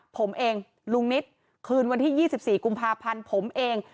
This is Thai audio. ผมเองลุงนิดคืนวันที่๒๔กุมภาพันธ์ผมเอง